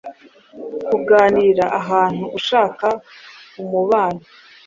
Kuganira ahantu ushaka umubano